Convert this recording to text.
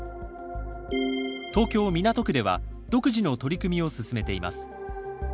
東京・港区では独自の取り組みを進めています。